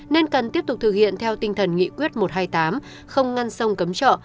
nên cần tiếp tục thực hiện theo tinh thần nghị quyết một trăm hai mươi tám không ngăn sông cấm chợ